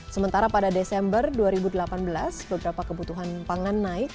sementara pada desember dua ribu delapan belas beberapa kebutuhan pangan naik